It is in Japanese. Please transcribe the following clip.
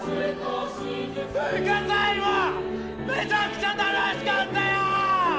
文化祭もめちゃくちゃ楽しかったよ。